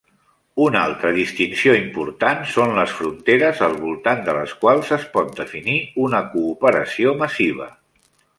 Una altra distinció important són les fronteres al voltant de les quals es pot definir una cooperació massiva.